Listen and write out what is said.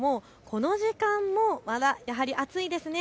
この時間もまだやはり暑いですね。